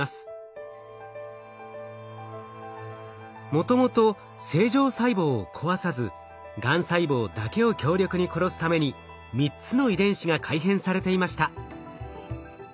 もともと正常細胞を壊さずがん細胞だけを強力に殺すために３つの遺伝子が改変されていました。